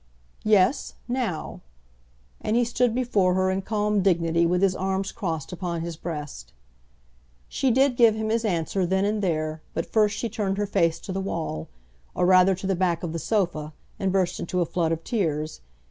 "Yes, now." And he stood before her in calm dignity, with his arms crossed upon his breast. She did give him his answer then and there, but first she turned her face to the wall, or rather to the back of the sofa, and burst into a flood of tears.